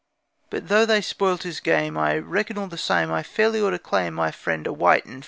But though they spoilt his game, I reckon all the same I fairly ought to claim My friend a white 'un.